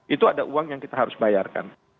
itu ada uang yang kita harus bayarkan